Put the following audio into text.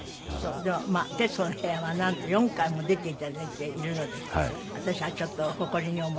でも『徹子の部屋』はなんと４回も出ていただいているので私はちょっと誇りに思っております。